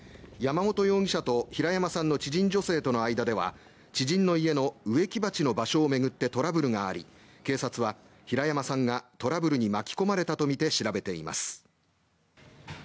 山本容疑者と平山さんの知人女性との間では知人の家の植木鉢の場所を巡ってトラブルがあり警察は平山さんがトラブルに巻き込まれたとみて調べています。